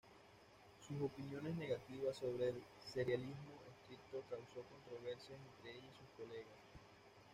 Sus opiniones negativas sobre el serialismo estricto causó controversias entre ella y sus colegas.